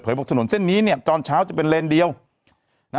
เผยบบกถนนท์เส้นนี้เนี่ยจอนเช้าจะเป็นเลนดีวนะ